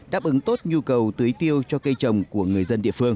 đáp ứng tốt nhu cầu tưới tiêu cho cây trồng của người dân địa phương